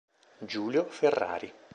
Giulio Ferrari